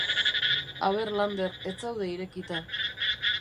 Aber, Lander, ez zaude irekita.